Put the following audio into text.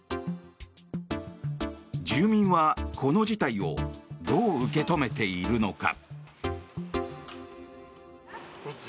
住民はこの事態をどう受け止めているのか。